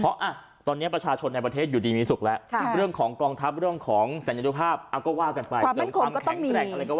เพราะอ่ะตอนนี้ประชาชนในประเทศอยู่ดีมีศุกร์แล้วเรื่องของกองทัพเรื่องของสัญญาณภาพก็ว่ากันไป